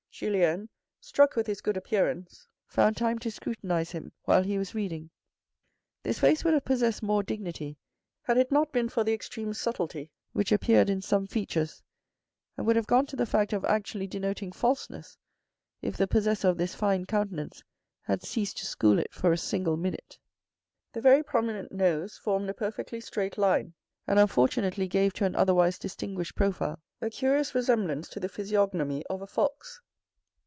Julien, struck with his good appearance, found time to scrutinise him while he was reading. This face would have possessed more dignity had it not been for the extreme sublety which appeared in some features, and would have gone to the fact of actually denoting falseness if the possessor of this fine countenance had ceased to school it for a single minute. The very prominent nose formed a perfectly straight line and unfortunately gave to an otherwise distinguished profile, a curious resemblance to the physiognomy of a fox.